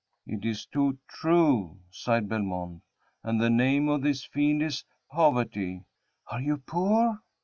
"It is too true," sighed Belmont, "and the name of this fiend is Poverty!" "Are you poor?"